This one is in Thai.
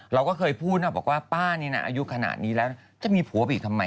เราก็เคยพูดนะบอกว่าป้านี่นะอายุขนาดนี้แล้วจะมีผัวไปอีกทำไม